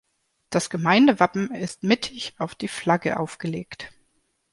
Das Gemeindewappen ist mittig auf die Flagge aufgelegt.